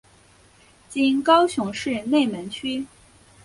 今高雄市内门区。